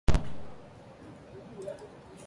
It is on the Crewe to Derby Line.